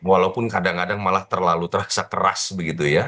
walaupun kadang kadang malah terlalu terasa keras begitu ya